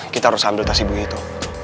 kita harus ambil tas ibu itu